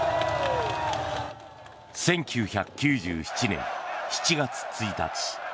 １９９７年７月１日。